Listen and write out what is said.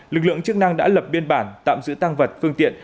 lực lượng chức năng đã lập biên bản tạm giữ tăng vật phương tiện